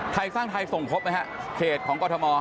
ไทยสร้างไทยส่งครบมั้ยครับเขตของก็อตม